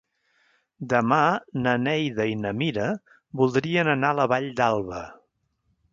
Demà na Neida i na Mira voldrien anar a la Vall d'Alba.